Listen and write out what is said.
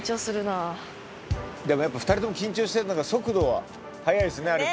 やっぱ２人とも緊張してるのか速度は速いですね歩く。